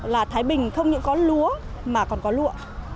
là thái bình không những có lúa mà còn có lụa